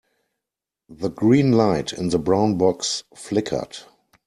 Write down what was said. The green light in the brown box flickered.